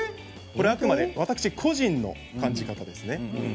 あくまで私個人の感じ方です。